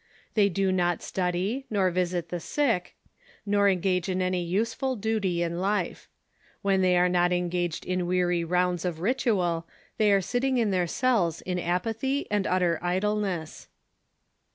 They do not study, nor visit the sick, nor engage in any useful duty in life. AV'hen they are not engaged in M'eary rounds 34G THE MODERN CHURCH of ritual, they are sitting in their cells in apathy and utter idleness.